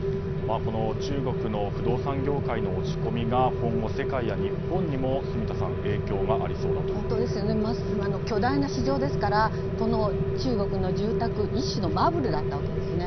中国の不動産業界の落ち込みが今後、世界や日本にも影響がありそうだ巨大な市場ですからこの中国の住宅、一種のバブルだったわけですね。